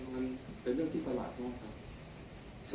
มันเป็นเรื่องที่ประหลาดมากครับ